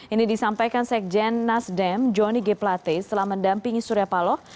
ini disampaikan sekjen nasdem joni g plate setelah mendampingi surya paloh